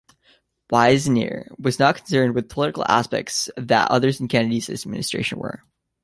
Weisner was not concerned with the political aspects that others in Kennedy's administration were.